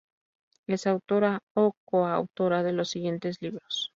Es autora o coautora de los siguientes libros.